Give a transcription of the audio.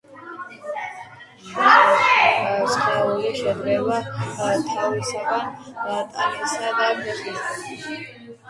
სხეული შედგება თავისაგან, ტანისა და ფეხისაგან.